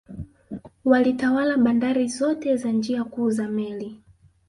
Walitawala bandari zote na njia kuu za meli